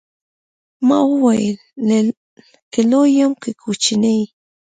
ما وويل که لوى يم که کوچنى.